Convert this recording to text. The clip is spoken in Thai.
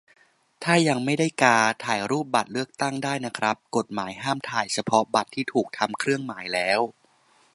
ถ้ายังไม่ได้กา ถ่ายรูปบัตรเลือกตั้งได้นะครับ กฎหมายห้ามถ่ายเฉพาะบัตรที่ถูกทำเครื่องหมายแล้ว